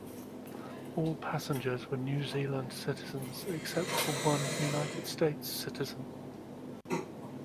All passengers were New Zealand citizens except for one United States citizen.